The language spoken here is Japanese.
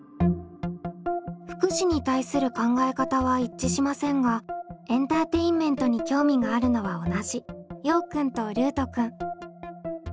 「福祉」に対する考え方は一致しませんがエンターテインメントに興味があるのは同じようくんとルートくん。